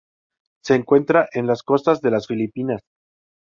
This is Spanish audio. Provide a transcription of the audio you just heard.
Se encuentra en las costas de las Filipinas.